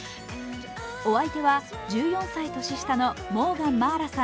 お相手は１４歳年下のモーガン茉愛羅さん